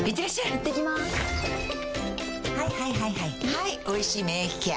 はい「おいしい免疫ケア」